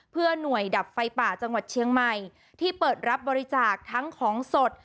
เพื่อหน่วยดับไฟป่าจังหวัดเชียงใหม่ที่เปิดรับบริจาคทั้งของสด